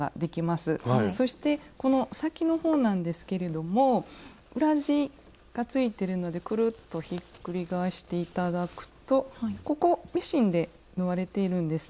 そしてこの先の方なんですけれども裏地がついてるのでくるっとひっくり返して頂くとここミシンで縫われているんですね。